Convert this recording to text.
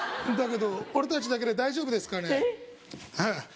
だけど俺達だけで大丈夫ですかねえっ！？